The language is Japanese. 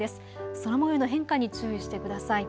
空もようの変化に注意してください。